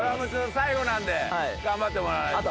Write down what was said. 最後なんで頑張ってもらわないと。